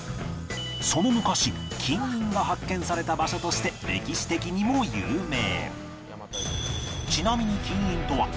その昔金印が発見された場所として歴史的にも有名